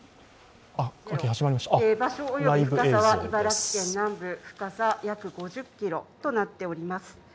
場所及び深さは茨城県南部、深さ約５０ｋｍとなっております。